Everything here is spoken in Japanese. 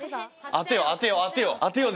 当てよう当てよう当てよう！